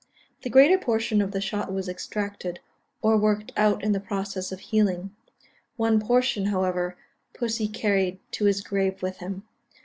The greater portion of the shot was extracted, or worked out in the process of healing; one portion, however, pussy carried to his grave with him.